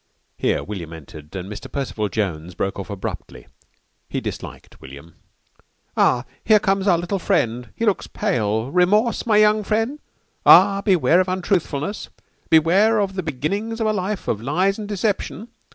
Here William entered and Mr. Percival Jones broke off abruptly. He disliked William. "Ah! here comes our little friend. He looks pale. Remorse, my young friend? Ah, beware of untruthfulness. Beware of the beginnings of a life of lies and deception."